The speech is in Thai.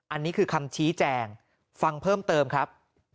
อันนี้คือคำชี้แจงฟังเพิ่มเติมครับ